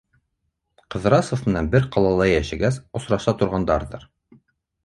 Ҡыҙрасов менән бер ҡалала йәшәгәс, осраша торғандарҙыр.